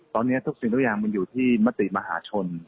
ตอนนี้ทุกสิ่งทุกอย่างมันอยู่ที่มติมหาชน